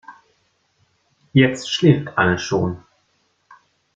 Jetzt schläft Anne schon.